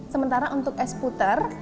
sementara untuk es puter